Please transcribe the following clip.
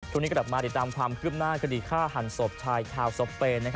ตอนนี้กระดับมาติดตามความกลืบหน้าคดีฆ่าหันศพชายข่าวศพเปน